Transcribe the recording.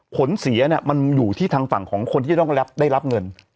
ผลเสียมันอยู่ที่ทางฝั่งของคนที่จะต้องได้รับเงิน